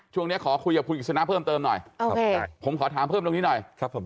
ช่วงนี้ขอคุยกับคุณอิกษณะเพิ่มเติมหน่อยผมขอถามเพิ่มตรงนี้หน่อย